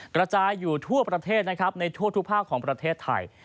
กระจายอยู่ทั่วประเทศนะครับในทั่วทุกภาคของประเทศไทย